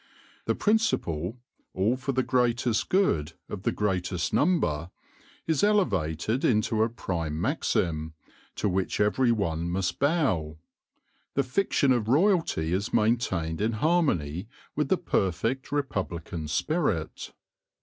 The principle, all for the greatest good of the greatest number, is elevated into a prime maxim, to which every one must bow. The fiction of royalty is maintained in harmony with the perfect republican spirit.